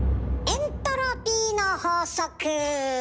エントロピーの法則？